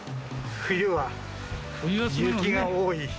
冬は雪が多い。